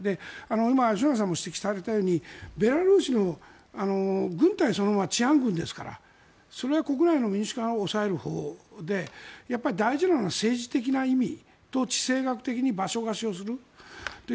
今、吉永さんも指摘されたようにベラルーシの軍隊そのものは治安軍ですからそれは国内の民主化を抑えるほうで大事なのは政治的な意味と地政学的な意味で場所貸しをする。